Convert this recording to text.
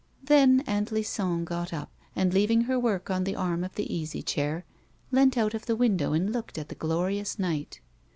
Then Aunt Lison got up, and, leaving her work on the arm of the easy chair, leant out of the window and looked at the glorious night.